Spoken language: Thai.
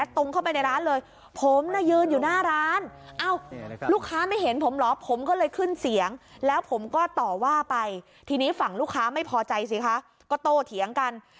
ที่ฝั่งลูกค้าไม่พอใจสิฟะก็โตเถียงกัน